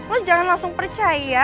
lo jangan langsung percaya